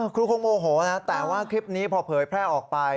ครูคงโมโหนะแต่ว่าคลิปนี้พอเผยแพร่ออกไป